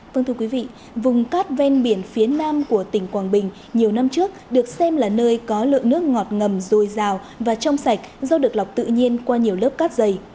vâng thưa quý vị vùng cát ven biển phía nam của tỉnh quảng bình nhiều năm trước được xem là nơi có lượng nước ngọt ngầm dồi dào và trong sạch do được lọc tự nhiên qua nhiều lớp cát dày